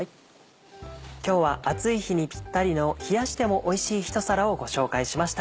今日は暑い日にピッタリの冷やしてもおいしい一皿をご紹介しました。